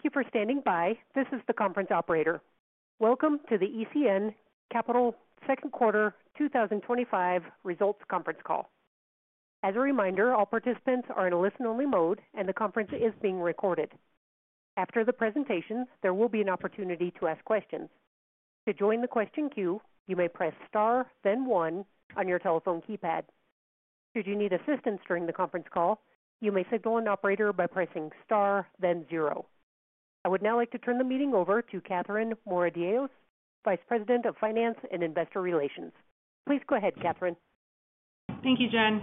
Thank you for standing by. This is the conference operator. Welcome to the ECN Capital's Second Quarter 2025 Results Conference Call. As a reminder, all participants are in a listen-only mode, and the conference is being recorded. After the presentation, there will be an opportunity to ask questions. To join the question queue, you may press star, then one on your telephone keypad. Should you need assistance during the conference call, you may signal an operator by pressing star, then zero. I would now like to turn the meeting over to Katherine Moradiellos, Vice President of Finance and Investor Relations. Please go ahead, Katherine. Thank you, Jen.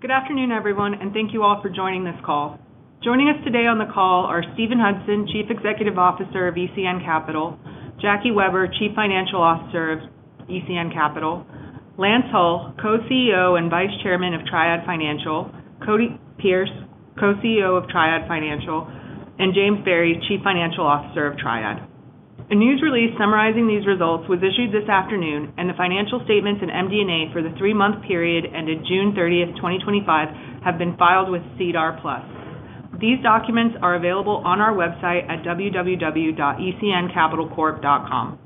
Good afternoon, everyone, and thank you all for joining this call. Joining us today on the call are Steven Hudson, Chief Executive Officer of ECN Capital; Jackie Weber, Chief Financial Officer of ECN Capital; Lance Hull, Co-CEO and Vice Chairman of Triad Financial; Cody Pearce, Co-CEO of Triad Financial; and James Barry, Chief Financial Officer of Triad. A news release summarizing these results was issued this afternoon, and the financial statements and MD&A for the three-month period ended June 30, 2025, have been filed with SEDAR+. These documents are available on our website at www.ecncapitalcorp.com.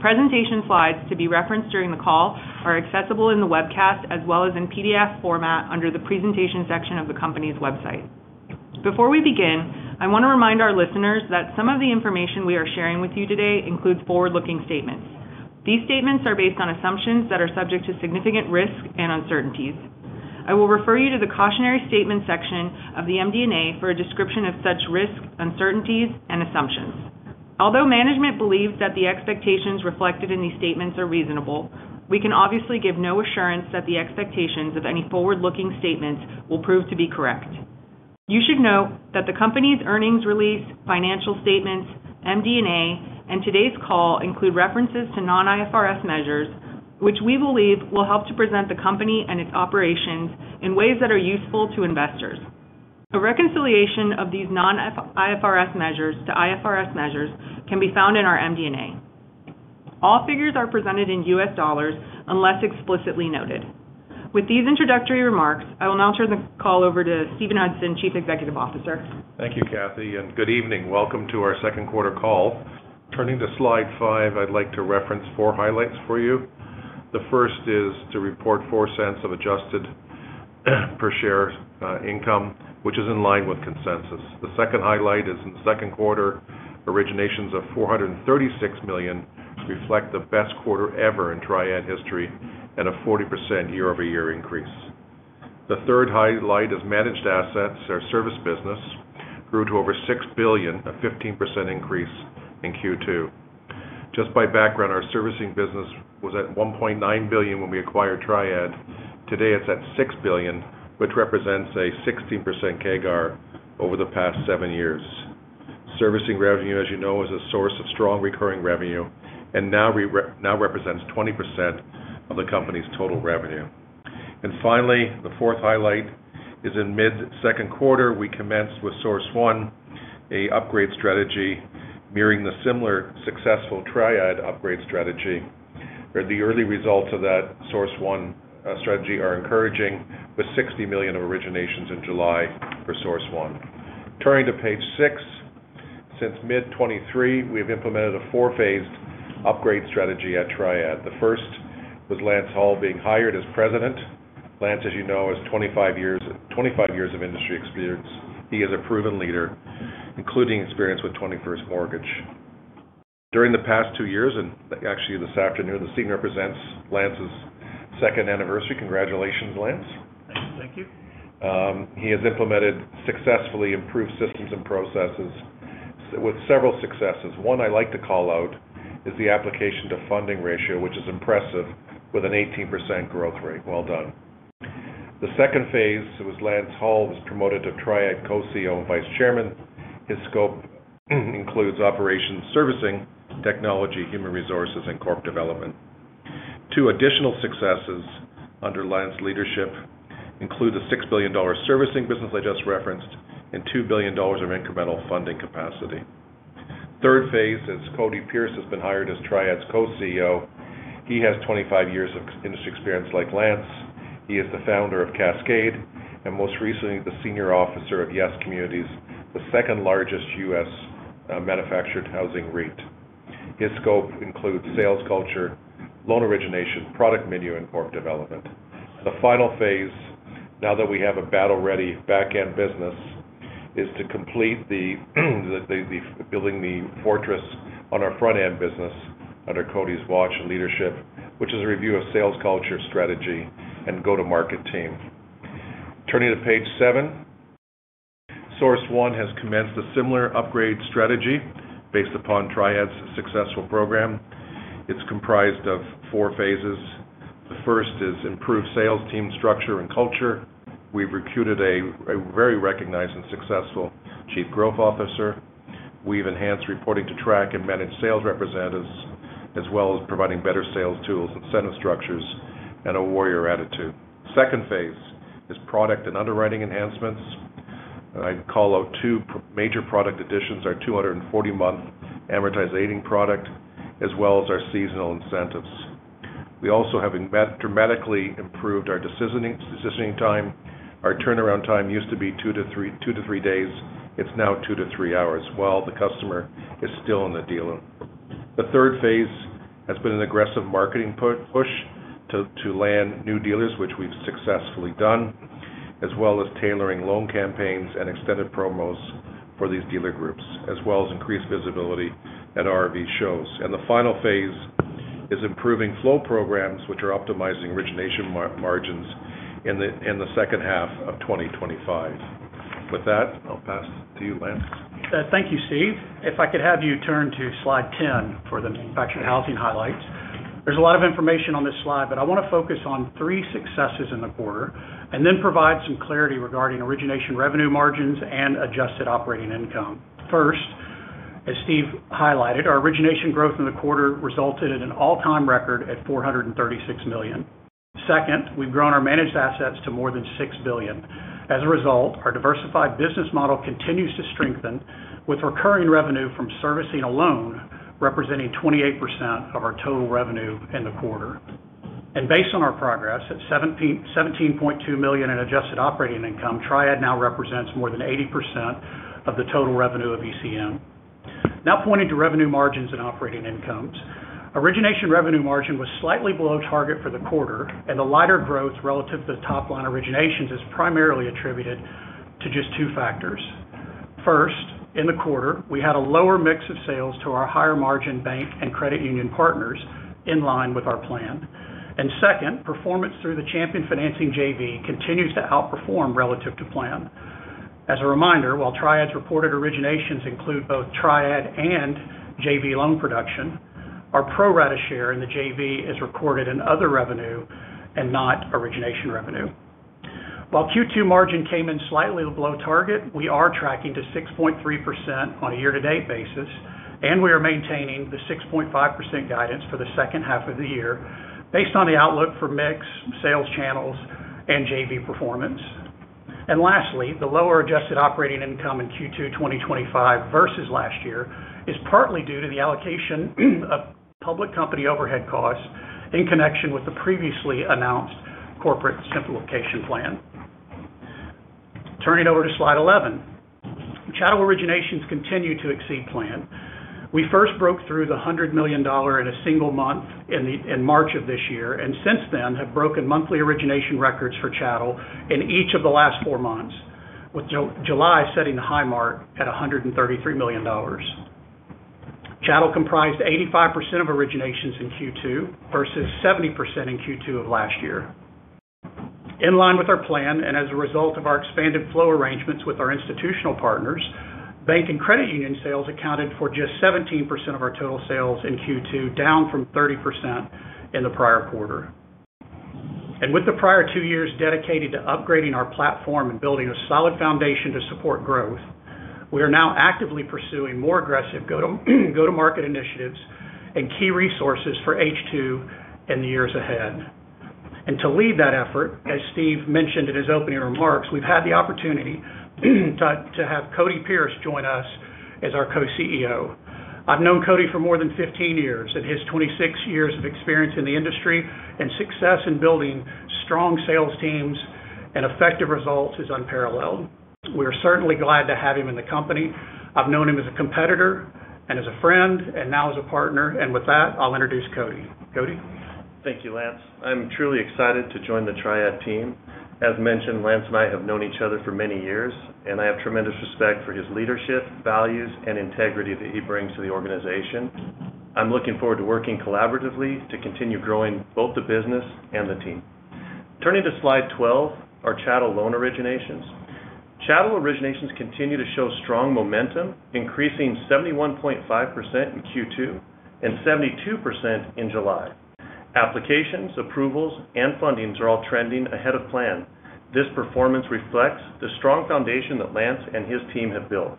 Presentation slides to be referenced during the call are accessible in the webcast as well as in PDF format under the presentation section of the company's website. Before we begin, I want to remind our listeners that some of the information we are sharing with you today includes forward-looking statements. These statements are based on assumptions that are subject to significant risk and uncertainties. I will refer you to the cautionary statements section of the MD&A for a description of such risk, uncertainties, and assumptions. Although management believes that the expectations reflected in these statements are reasonable, we can obviously give no assurance that the expectations of any forward-looking statements will prove to be correct. You should note that the company's earnings release, financial statements, MD&A, and today's call include references to non-IFRS measures, which we believe will help to present the company and its operations in ways that are useful to investors. A reconciliation of these non-IFRS measures to IFRS measures can be found in our MD&A. All figures are presented in U.S. dollars unless explicitly noted. With these introductory remarks, I will now turn the call over to Steven Hudson, Chief Executive Officer. Thank you, Kathy, and good evening. Welcome to our second quarter call. Turning to slide 5, I'd like to reference four highlights for you. The first is to report $0.04 of adjusted per share income, which is in line with consensus. The second highlight is in the second quarter, originations of $436 million reflect the best quarter ever in Triad history and a 40% year-over-year increase. The third highlight is managed assets. Our service business grew to over $6 billion, a 15% increase in Q2. Just by background, our servicing business was at $1.9 billion when we acquired Triad. Today, it's at $6 billion, which represents a 16% CAGR over the past seven years. Servicing revenue, as you know, is a source of strong recurring revenue and now represents 20% of the company's total revenue. Finally, the fourth highlight is in mid-second quarter, we commenced with Source One, an upgrade strategy mirroring the similar successful Triad upgrade strategy. The early results of that Source One strategy are encouraging, with $60 million of originations in July for Source One. Turning to page 6, since mid-2023, we've implemented a four-phased upgrade strategy at Triad. The first was Lance Hull being hired as President. Lance, as you know, has 25 years of industry experience. He is a proven leader, including experience with 21st Mortgage. During the past two years, and actually this afternoon, the scene represents Lance's second anniversary. Congratulations, Lance. Thank you. He has implemented successfully improved systems and processes with several successes. One I like to call out is the application to funding ratio, which is impressive, with an 18% growth rate. Well done. The second phase was Lance Hull was promoted to Triad Co-CEO and Vice Chairman. His scope includes operations, servicing, technology, human resources, and corporate development. Two additional successes under Lance's leadership include the $6 billion servicing business I just referenced and $2 billion of incremental funding capacity. Third phase is Cody Pearce has been hired as Triad's Co-CEO. He has 25 years of industry experience like Lance. He is the founder of Cascade and most recently the Senior Officer of YES Communities, the second largest U.S. manufactured housing REIT. His scope includes sales culture, loan origination, product menu, and corporate development. The final phase, now that we have a battle-ready backend business, is to complete building the fortress on our frontend business under Cody's watch and leadership, which is a review of sales culture, strategy, and go-to-market team. Turning to page seven, Source One has commenced a similar upgrade strategy based upon Triad's successful program. It's comprised of four phases. The first is improved sales team structure and culture. We've recruited a very recognized and successful Chief Growth Officer. We've enhanced reporting to track and manage sales representatives, as well as providing better sales tools and sentence structures and a warrior attitude. Second phase is product and underwriting enhancements. I'd call out two major product additions: our 240-month amortizing product, as well as our seasonal incentives. We also have dramatically improved our decisioning time. Our turnaround time used to be two to three days. It's now two to three hours while the customer is still in the dealer. The third phase has been an aggressive marketing push to land new dealers, which we've successfully done, as well as tailoring loan campaigns and extended promos for these dealer groups, as well as increased visibility at RV shows. The final phase is improving flow programs, which are optimizing origination margins in the second half of 2025. With that, I'll pass to you, Lance. Thank you, Steve. If I could have you turn to slide 10 for the Manufactured Housing highlights. There's a lot of information on this slide, but I want to focus on three successes in the quarter and then provide some clarity regarding origination revenue margins and adjusted operating income. First, as Steve highlighted, our origination growth in the quarter resulted in an all-time record at $436 million. Second, we've grown our managed assets to more than $6 billion. As a result, our diversified business model continues to strengthen with recurring revenue from servicing alone representing 28% of our total revenue in the quarter. Based on our progress at $17.2 million in adjusted operating income, Triad now represents more than 80% of the total revenue of ECN. Now pointing to revenue margins and operating incomes, origination revenue margin was slightly below target for the quarter, and the lighter growth relative to the top-line originations is primarily attributed to just two factors. First, in the quarter, we had a lower mix of sales to our higher margin bank and credit union partners in line with our plan. Second, performance through the Champion financing JV continues to outperform relative to plan. As a reminder, while Triad's reported originations include both Triad and JV loan production, our pro-rata share in the JV is recorded in other revenue and not origination revenue. While Q2 margin came in slightly below target, we are tracking to 6.3% on a year-to-date basis, and we are maintaining the 6.5% guidance for the second half of the year based on the outlook for mixed sales channels and JV performance. Lastly, the lower adjusted operating income in Q2 2025 versus last year is partly due to the allocation of public company overhead costs in connection with the previously announced corporate simplification plan. Turning over to slide 11, chattel originations continue to exceed plan. We first broke through the $100 million in a single month in March of this year, and since then have broken monthly origination records for chattel in each of the last four months, with July setting the high mark at $133 million. Chattel comprised 85% of originations in Q2 versus 70% in Q2 of last year. In line with our plan, and as a result of our expanded flow arrangements with our institutional partners, bank and credit union sales accounted for just 17% of our total sales in Q2, down from 30% in the prior quarter. With the prior two years dedicated to upgrading our platform and building a solid foundation to support growth, we are now actively pursuing more aggressive go-to-market initiatives and key resources for H2 in the years ahead. To lead that effort, as Steve mentioned in his opening remarks, we've had the opportunity to have Cody Pierce join us as our Co-CEO. I've known Cody for more than 15 years, and his 26 years of experience in the industry and success in building strong sales teams and effective results is unparalleled. We are certainly glad to have him in the company. I've known him as a competitor and as a friend and now as a partner. With that, I'll introduce Cody. Cody? Thank you, Lance. I'm truly excited to join the Triad team. As mentioned, Lance and I have known each other for many years, and I have tremendous respect for his leadership, values, and integrity that he brings to the organization. I'm looking forward to working collaboratively to continue growing both the business and the team. Turning to slide 12, our Chattel loan originations. Chattel originations continue to show strong momentum, increasing 71.5% in Q2 and 72% in July. Applications, approvals, and fundings are all trending ahead of plan. This performance reflects the strong foundation that Lance and his team have built.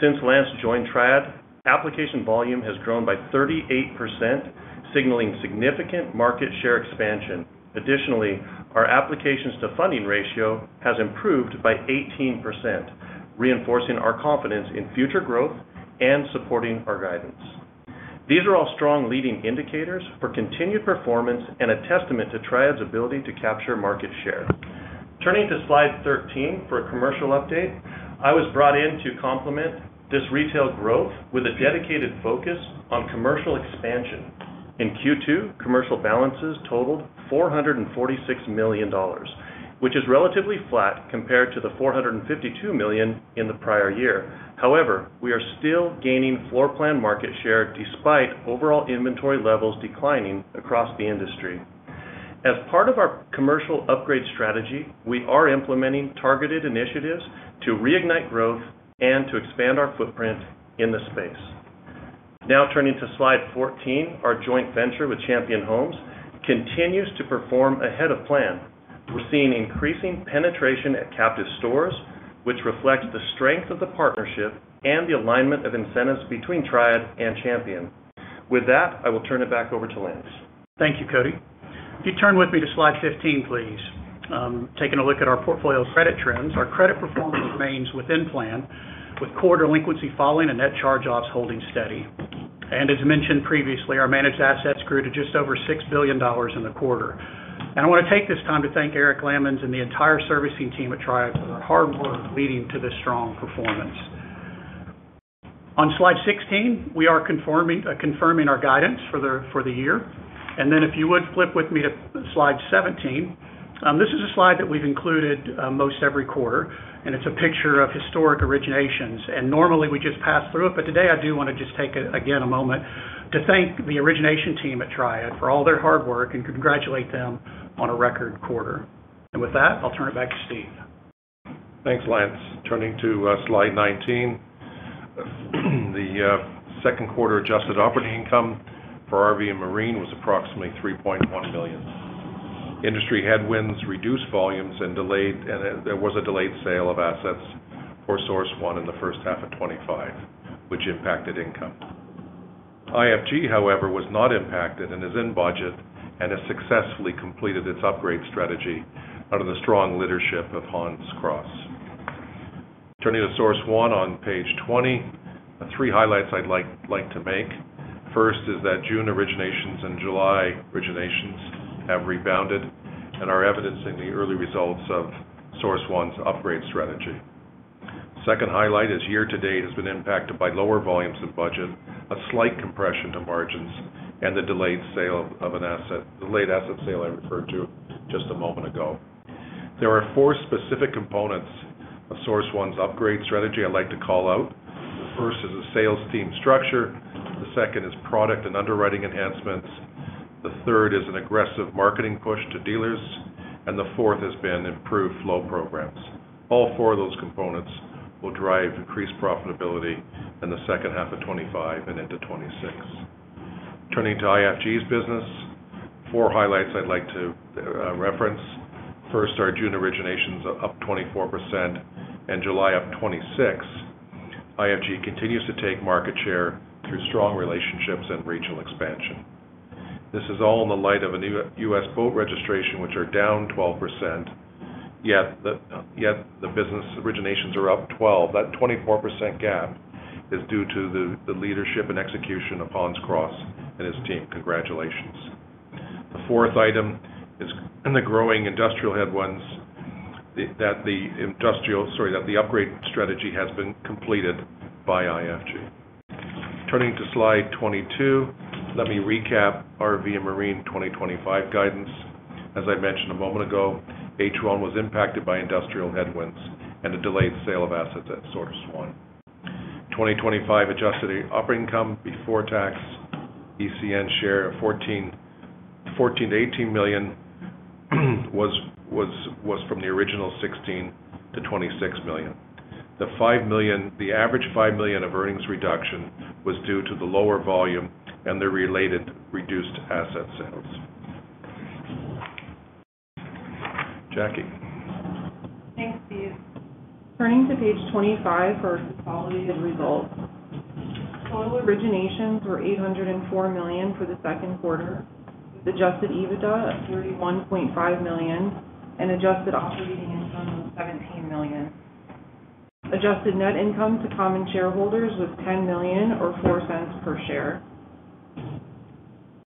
Since Lance joined Triad, application volume has grown by 38%, signaling significant market share expansion. Additionally, our applications to funding ratio has improved by 18%, reinforcing our confidence in future growth and supporting our guidance. These are all strong leading indicators for continued performance and a testament to Triad's ability to capture market share. Turning to slide 13 for a commercial update, I was brought in to complement this retail growth with a dedicated focus on commercial expansion. In Q2, commercial balances totaled $446 million, which is relatively flat compared to the $452 million in the prior year. However, we are still gaining floor plan market share despite overall inventory levels declining across the industry. As part of our commercial upgrade strategy, we are implementing targeted initiatives to reignite growth and to expand our footprint in the space. Now turning to slide 14, our joint venture with Champion Homes continues to perform ahead of plan. We're seeing increasing penetration at captive stores, which reflects the strength of the partnership and the alignment of incentives between Triad and Champion. With that, I will turn it back over to Lance. Thank you, Cody. If you turn with me to slide 15, please. Taking a look at our portfolio credit trends, our credit performance remains within plan, with core delinquency falling and net charge offs holding steady. As mentioned previously, our managed assets grew to just over $6 billion in the quarter. I want to take this time to thank Eric Lammons and the entire servicing team at Triad for the hard work leading to this strong performance. On slide 16, we are confirming our guidance for the year. If you would flip with me to slide 17, this is a slide that we've included most every quarter, and it's a picture of historic originations. Normally we just pass through it, but today I do want to just take again a moment to thank the origination team at Triad for all their hard work and congratulate them on a record quarter. With that, I'll turn it back to Steve. Thanks, Lance. Turning to slide 19, the second quarter adjusted operating income for RV and Marine was approximately $3.1 million. Industry headwinds reduced volumes, and there was a delayed sale of assets for Source One in the first half of 2025, which impacted income. IFG, however, was not impacted and is in budget and has successfully completed its upgrade strategy under the strong leadership of Hans Kraaz. Turning to Source One on page 20, three highlights I'd like to make. First is that June originations and July originations have rebounded and are evidencing the early results of Source One's upgrade strategy. Second highlight is year-to-date has been impacted by lower volumes of budget, a slight compression to margins, and the delayed sale of an asset, the late asset sale I referred to just a moment ago. There are four specific components of Source One's upgrade strategy I'd like to call out. The first is a sales team structure. The second is product and underwriting enhancements. The third is an aggressive marketing push to dealers. The fourth has been improved flow programs. All four of those components will drive increased profitability in the second half of 2025 and into 2026. Turning to IFG's business, four highlights I'd like to reference. First, our June originations are up 24%, and July up 26%. IFG continues to take market share through strong relationships and regional expansion. This is all in the light of new U.S. boat registrations, which are down 12%. Yet the business originations are up 12%. That 24% gap is due to the leadership and execution of Hans Kraaz and his team. Congratulations. The fourth item is the growing industrial headwinds that the upgrade strategy has been completed by IFG. Turning to slide 22, let me recap RV and Marine 2025 guidance. As I mentioned a moment ago, H1 was impacted by industrial headwinds and a delayed sale of assets at Source One. 2025 adjusted operating income before tax, ECN share of $14 million-$18 million was from the original $16 million-$26 million. The $5 million, the average $5 million of earnings reduction was due to the lower volume and the related reduced asset sales. Jackie? Thanks, Steve. Turning to page 25 for quality of results. All originations were $804 million for the second quarter, adjusted EBITDA of $31.5 million, and adjusted operating income of $17 million. Adjusted net income to common shareholders was $10 million or $0.04 per share.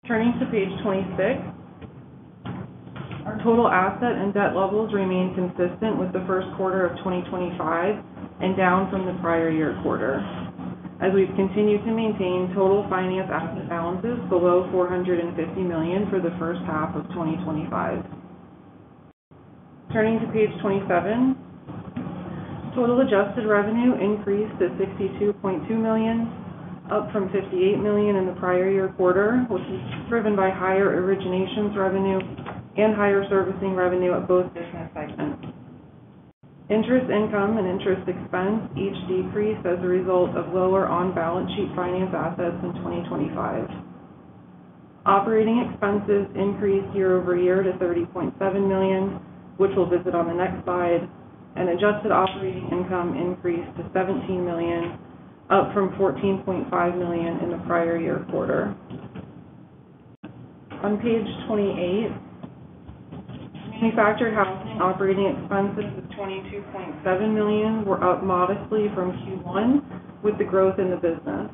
Turning to page 26, our total asset and debt levels remain consistent with the first quarter of 2025 and down from the prior year quarter. As we've continued to maintain total finance asset balances below $450 million for the first half of 2025. Turning to page 27, total adjusted revenue increased to $62.2 million, up from $58 million in the prior year quarter, which is driven by higher originations revenue and higher servicing revenue at both business segments. Interest income and interest expense each decreased as a result of lower on-balance sheet finance assets in 2025. Operating expenses increased year over year to $30.7 million, which we'll visit on the next slide, and adjusted operating income increased to $17 million, up from $14.5 million in the prior year quarter. On page 28, manufactured housing operating expenses of $22.7 million were up modestly from Q1 with the growth in the business.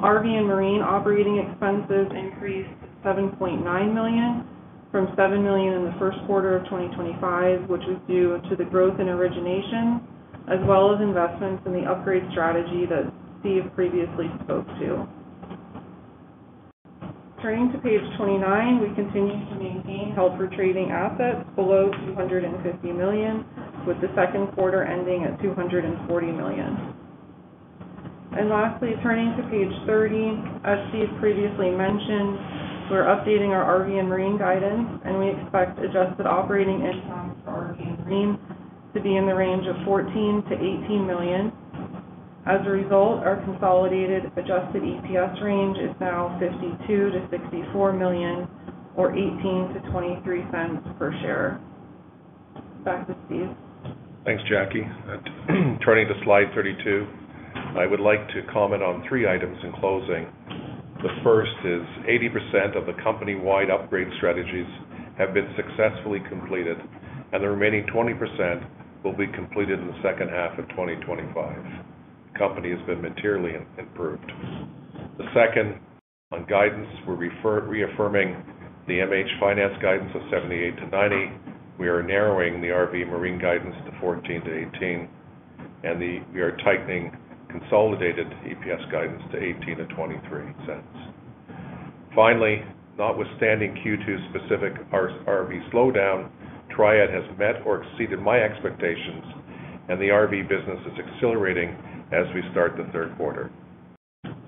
RV and Marine operating expenses increased to $7.9 million from $7 million in the first quarter of 2025, which was due to the growth in origination as well as investments in the upgrade strategy that Steve previously spoke to. Turning to page 29, we continue to maintain helper trading assets below $250 million, with the second quarter ending at $240 million. Lastly, turning to page 30, as Steve previously mentioned, we're updating our RV and Marine guidance, and we expect adjusted operating income for RV and Marine to be in the range of $14 million-$18 million. As a result, our consolidated adjusted EPS range is now $52 million-$64 million or $0.18-$0.23 per share. Back to Steve. Thanks, Jackie. Turning to slide 32, I would like to comment on three items in closing. The first is 80% of the company-wide upgrade strategies have been successfully completed, and the remaining 20% will be completed in the second half of 2025. The company has been materially improved. The second on guidance, we're reaffirming the manufactured housing finance guidance of 78-98. We are narrowing the RV marine guidance to 14-18, and we are tightening consolidated EPS guidance to $0.18-$0.23. Finally, notwithstanding Q2 specific RV slowdown, Triad has met or exceeded my expectations, and the RV business is accelerating as we start the third quarter.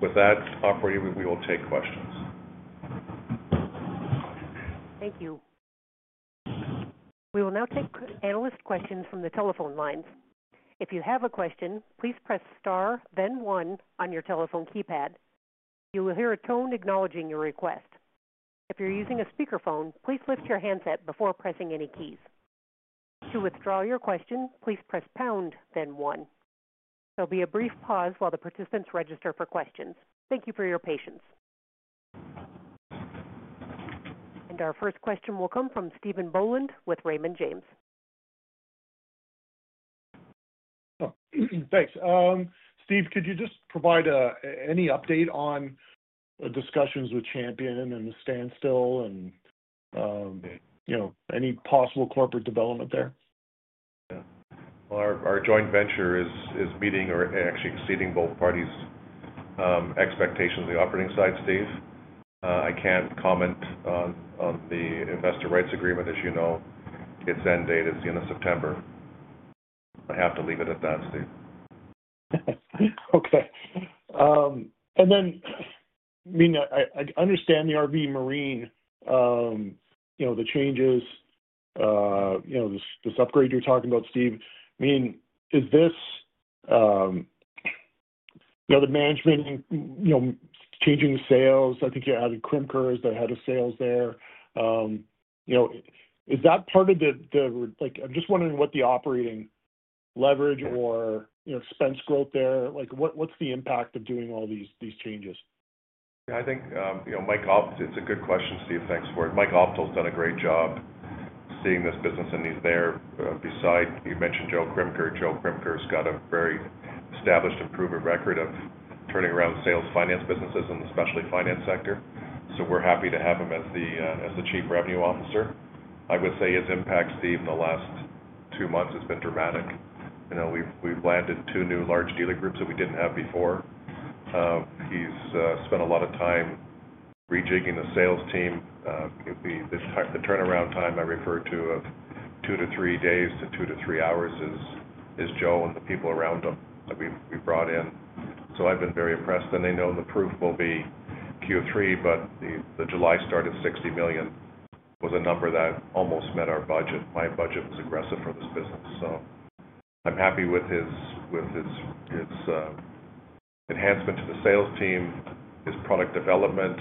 With that, we will take questions. Thank you. We will now take analyst questions from the telephone lines. If you have a question, please press star, then one on your telephone keypad. You will hear a tone acknowledging your request. If you're using a speakerphone, please lift your handset before pressing any keys. To withdraw your question, please press pound, then one. There will be a brief pause while the participants register for questions. Thank you for your patience. Our first question will come from Stephen Boland with Raymond James. Thanks. Steve, could you just provide any update on the discussions with Champion Homes and the standstill, and any possible corporate development there? Our joint venture is meeting or actually exceeding both parties' expectations on the operating side, Steve. I can't comment on the investor rights agreement. As you know, its end date is the end of September. I have to leave it at that, Steve. Okay. I understand the RV Marine, you know, the changes, this upgrade you're talking about, Steve. Is this the management changing sales? I think you added Crimker as the head of sales there. Is that part of the, like, I'm just wondering what the operating leverage or expense growth there, like, what's the impact of doing all these changes? Yeah, I think, you know, Mike Opdahl, it's a good question, Steve. Thanks for it. Mike Opdahl has done a great job seeing this business in these, there, beside, you mentioned Joe Krimker. Joe Krimker's got a very established and proven record of turning around sales finance businesses in the specialty finance sector. We're happy to have him as the Chief Revenue Officer. I would say his impact, Steve, in the last two months has been dramatic. We've landed two new large dealer groups that we didn't have before. He's spent a lot of time rejigging the sales team. The turnaround time I refer to of two to three days to two to three hours is Joe and the people around him that we've brought in. I've been very impressed, and they know the proof will be Q3, but the July start of $60 million was a number that almost met our budget. My budget was aggressive for this business. I'm happy with his enhancement to the sales team, his product development,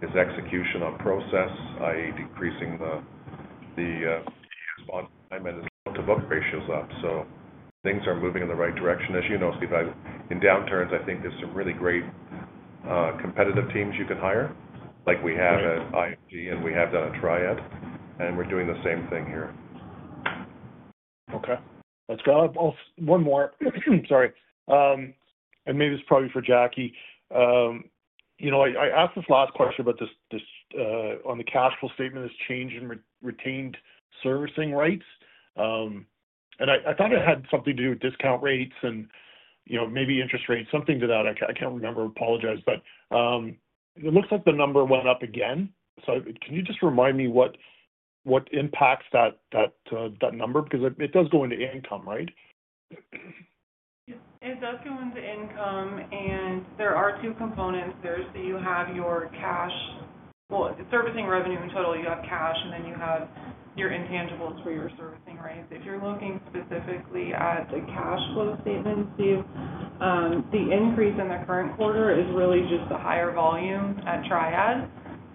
his execution of process, i.e., decreasing the spot time and the book ratios up. Things are moving in the right direction. As you know, Steve, in downturns, I think there's some really great competitive teams you could hire, like we have at IFG and we have done at Triad, and we're doing the same thing here. Okay. Let's go. One more, sorry. Maybe it's probably for Jackie. I asked this last question, but on the cash flow statement, this change in retained servicing rights. I thought it had something to do with discount rates and maybe interest rates, something to that. I can't remember, apologize. It looks like the number went up again. Can you just remind me what impacts that number? It does go into income, right? It does go into income, and there are two components. You have your cash, the servicing revenue in total, you have cash, and then you have your intangibles for your servicing rights. If you're looking specifically at the cash flow statement, Steve, the increase in the current quarter is really just the higher volume at Triad.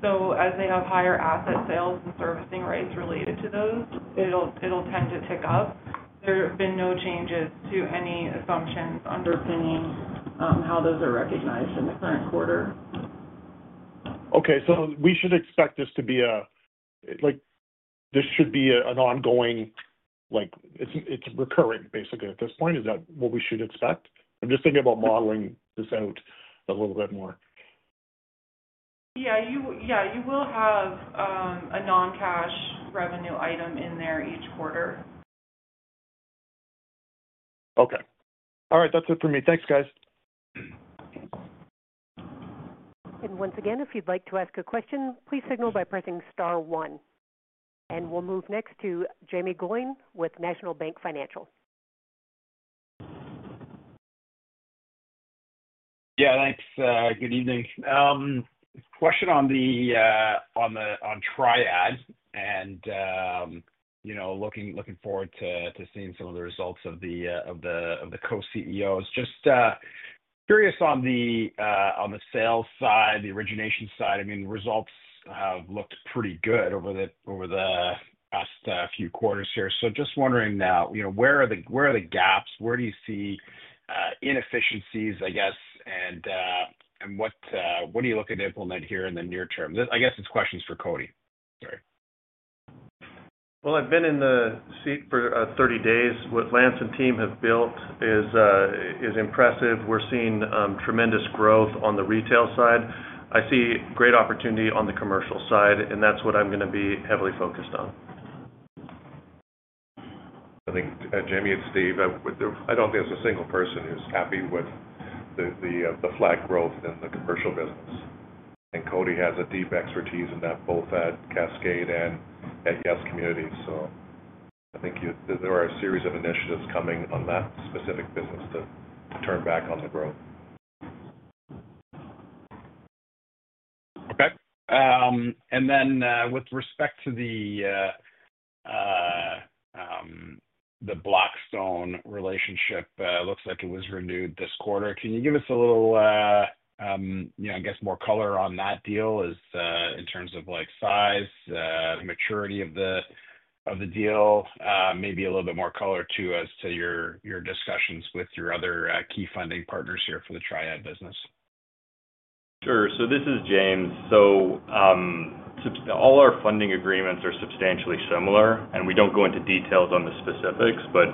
As they have higher asset sales and servicing rights related to those, it'll tend to tick up. There have been no changes to any assumptions underpinning how those are recognized in the current quarter. Okay. We should expect this to be, like, it's recurring, basically, at this point. Is that what we should expect? I'm just thinking about modeling this out a little bit more. Yeah, you will have a non-cash revenue item in there each quarter. Okay. All right. That's it for me. Thanks, guys. If you'd like to ask a question, please signal by pressing star one. We'll move next to Jaeme Gloyn with National Bank Financial. Yeah, thanks. Good evening. Question on Triad and, you know, looking forward to seeing some of the results of the Co-CEOs. Just curious on the sales side, the origination side. The results have looked pretty good over the past few quarters here. Just wondering now, where are the gaps? Where do you see inefficiencies, I guess, and what are you looking to implement here in the near term? I guess it's questions for Cody. Sorry. I have been in the seat for 30 days. What Lance and team have built is impressive. We're seeing tremendous growth on the retail side. I see great opportunity on the commercial side, and that's what I'm going to be heavily focused on. I think Jaeme and Steve, I don't think there's a single person who's happy with the flat growth in the commercial business. Cody has a deep expertise in that both at Cascade and at Guest Communities. I think there are a series of initiatives coming on that specific business to turn back on the growth. Okay. With respect to the Blackstone relationship, it looks like it was renewed this quarter. Can you give us a little more color on that deal in terms of size, the maturity of the deal, maybe a little bit more color to your discussions with your other key funding partners here for the Triad business? Sure. All our funding agreements are substantially similar, and we don't go into details on the specifics, but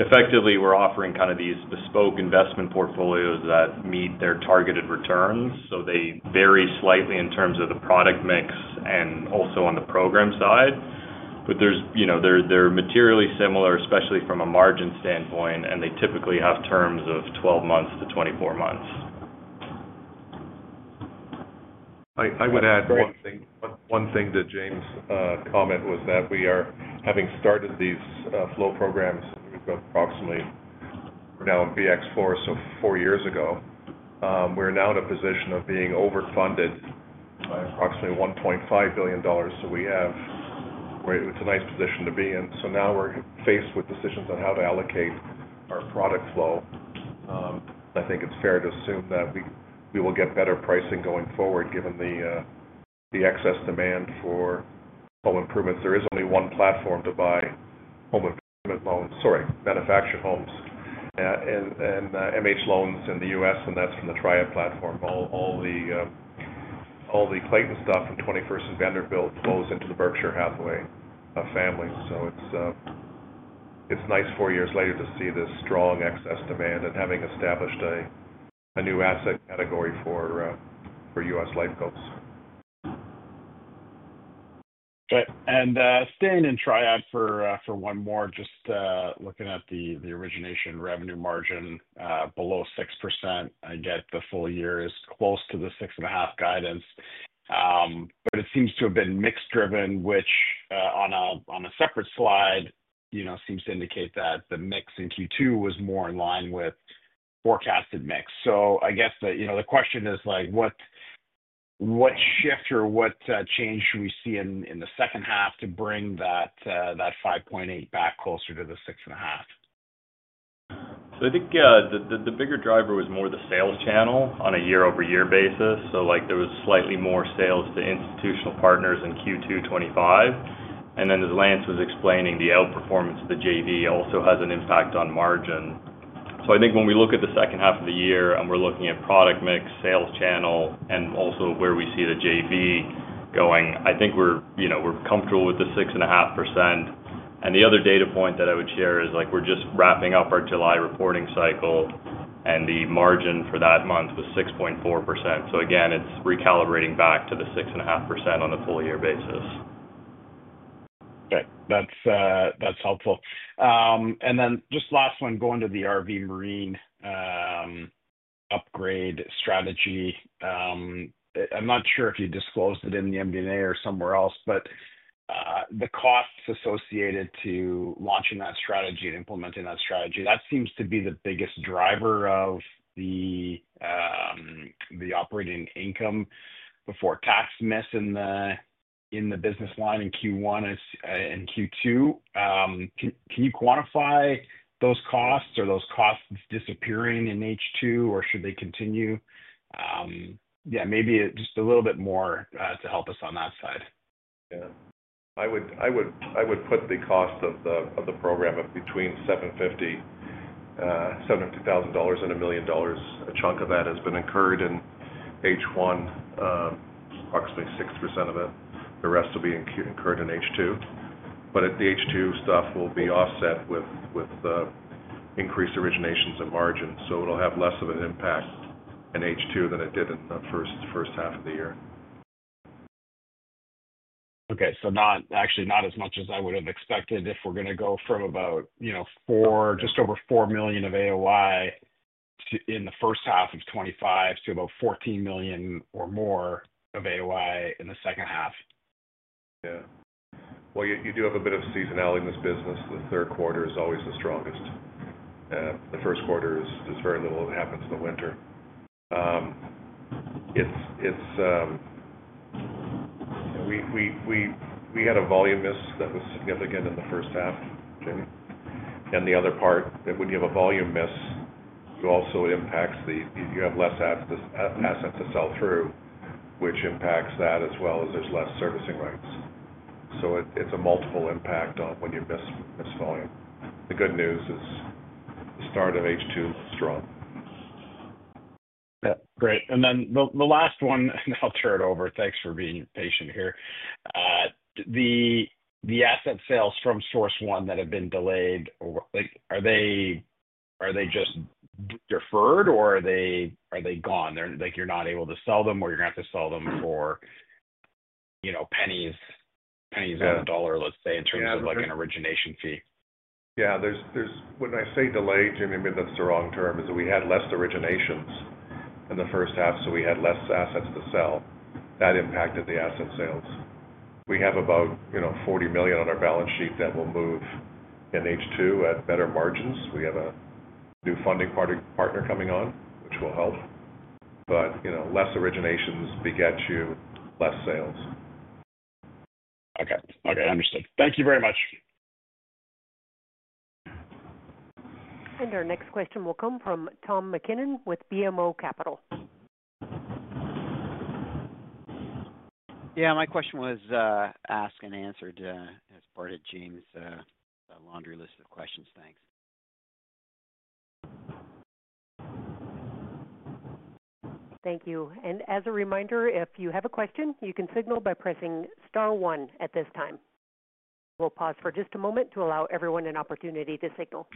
effectively, we're offering kind of these bespoke investment portfolios that meet their targeted returns. They vary slightly in terms of the product mix and also on the program side, but they're materially similar, especially from a margin standpoint, and they typically have terms of 12 months-24 months. I would add one thing to James' comment was that we are, having started these flow programs, we've been approximately now in BX4, so four years ago. We're now in a position of being overfunded approximately $1.5 billion. It's a nice position to be in. Now we're faced with decisions on how to allocate our product flow. I think it's fair to assume that we will get better pricing going forward given the excess demand for home improvements. There is only one platform to buy home improvement loans, sorry, manufactured homes and MH loans in the U.S., and that's in the Triad platform. All the Clayton stuff from 21st and Vanderbilt flows into the Berkshire Hathaway family. It's nice four years later to see this strong excess demand and having established a new asset category for U.S. light goats. Right. Staying in Triad for one more, just looking at the origination revenue margin below 6%, I get the full year is close to the 6.5% guidance. It seems to have been mix-driven, which on a separate slide seems to indicate that the mix in Q2 was more in line with forecasted mix. I guess the question is, what shift or what change should we see in the second half to bring that 5.8% back closer to the 6.5%? I think the bigger driver was more the sales channel on a year-over-year basis. There was slightly more sales to institutional partners in Q2 2025. As Lance was explaining, the outperformance of the JV also has an impact on margin. When we look at the second half of the year and we're looking at product mix, sales channel, and also where we see the JV going, I think we're comfortable with the 6.5%. The other data point that I would share is we're just wrapping up our July reporting cycle, and the margin for that month was 6.4%. It's recalibrating back to the 6.5% on a full-year basis. Okay. That's helpful. Just last one, going to the RV Marine upgrade strategy. I'm not sure if you disclosed it in the MD&A or somewhere else, but the costs associated to launching that strategy and implementing that strategy, that seems to be the biggest driver of the operating income before tax miss in the business line in Q1 and Q2. Can you quantify those costs or are those costs disappearing in H2, or should they continue? Maybe just a little bit more to help us on that side. Yeah. I would put the cost of the program at between $750,000 and $1 million. A chunk of that has been incurred in H1, approximately 6% of it. The rest will be incurred in H2. The H2 stuff will be offset with the increased originations and margins. It'll have less of an impact in H2 than it did in the first half of the year. Okay. Not actually as much as I would have expected if we're going to go from about, you know, just over $4 million of AOI in the first half of 2025 to about $14 million or more of AOI in the second half. You do have a bit of seasonality in this business. The third quarter is always the strongest. The first quarter, there's very little that happens in the winter. We had a volume miss that was significant in the first half, Jamie. The other part, when you have a volume miss, is it also impacts the, you have less assets to sell through, which impacts that as well as there's less servicing rights. It's a multiple impact on when you miss this volume. The good news is the start of H2 is strong. Great. The last one, I'll turn it over. Thanks for being patient here. The asset sales from Source One that have been delayed, are they just deferred or are they gone? Like you're not able to sell them or you're not able to sell them for, you know, pennies on the dollar, let's say, in terms of like an origination fee? Yeah. When I say delayed, Jaeme, maybe that's the wrong term, is that we had less originations in the first half, so we had less assets to sell. That impacted the asset sales. We have about $40 million on our balance sheet that will move in H2 at better margins. We have a new funding partner coming on, which will help. Less originations beget you with less sales. Okay. Understood. Thank you very much. Our next question will come from Tom MacKinnon with BMO Capital. Yeah, my question was asked and answered as part of Jaeme's laundry list of questions. Thanks. Thank you. As a reminder, if you have a question, you can signal by pressing star one at this time. We'll pause for just a moment to allow everyone an opportunity to signal.